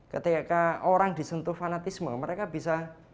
ketika orang disentuh fanatisme mereka bisa